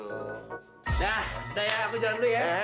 udah udah ya aku jalan dulu ya